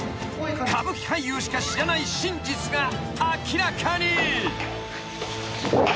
［歌舞伎俳優しか知らない真実が明らかに］